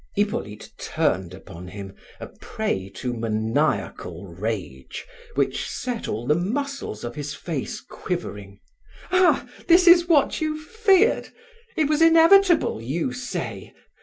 Hippolyte turned upon him, a prey to maniacal rage, which set all the muscles of his face quivering. "Ah! that is what you feared! It was inevitable, you say!